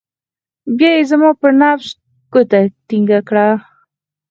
بيا يې زما پر نبض گوته ټينګه کړه.